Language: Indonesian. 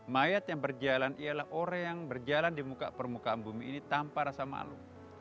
mayat yang berjalan ialah orang yang berjalan di permukaan bumi ini tanpa rasa malu